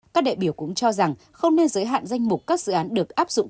các đại biểu cũng cho rằng không nên giới hạn danh mục các dự án được áp dụng